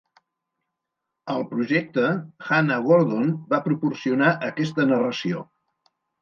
Al projecte, Hannah Gordon va proporcionar aquesta narració.